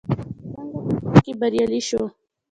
څنګه په ژوند کې بريالي شو ؟